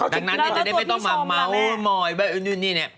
ดังนั้นจะได้ไม่ต้องมาเม้ามอยแบบนี้เนี่ย